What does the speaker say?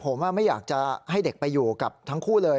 ผมไม่อยากจะให้เด็กไปอยู่กับทั้งคู่เลย